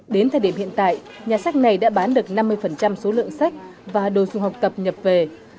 đến thời điểm hiện tại nhà sách này đã bán được năm mươi số lượng sách và đồ dùng học tập nhập về